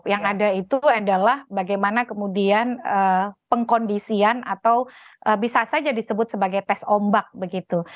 yang ada itu adalah bagaimana kemudian pengkondisian atau bisa saja disebut sebagai tes ombak begitu